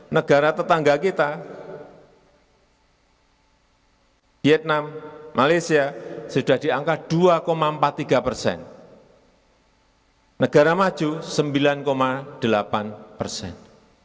negara tetangga kita vietnam malaysia sudah di angka dua empat puluh tiga persen negara maju sembilan delapan persen